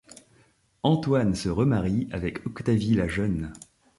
Antoine se remarie avec Octavie la Jeune.